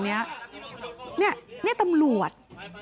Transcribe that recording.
นั่นทางก็คือตำรวจ